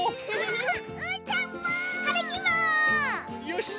よし！